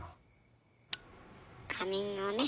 仮眠をね。